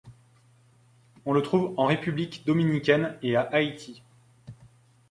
On le trouve en République dominicaine et à Haïti.